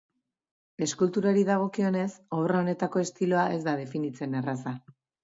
Eskulturari dagokionez, obra honetako estiloa ez da definitzen erraza.